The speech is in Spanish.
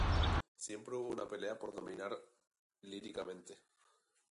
Siempre hubo una pelea por dominar líricamente.